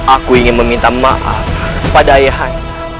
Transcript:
aku ingin meminta maaf pada ayahanda